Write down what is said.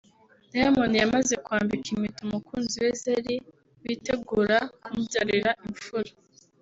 Diamond yamaze kwambika impeta umukunzi we Zari witegura kumubyarira imfura